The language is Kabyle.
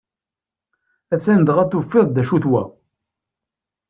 Atan dɣa tufiḍ-d acu-t wa!